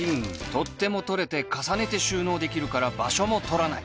取っ手も取れて重ねて収納できるから場所も取らない！